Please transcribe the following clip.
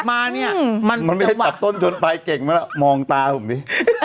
บวกมาเนี่ยมันไม่ได้จับต้นชนปลายเก่งมาแล้วมองตาผมสิ